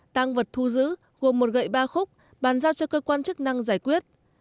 tăng vật thu giữ gồm một gậy ba khúc bàn giao cho cơ quan chức năng giải quyết